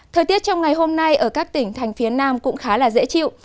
thời tiết trong ngày hôm nay ở các tỉnh thành phía nam cũng khá dễ chịu